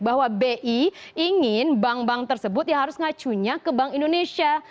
bahwa bi ingin bank bank tersebut ya harus ngacunya ke bank indonesia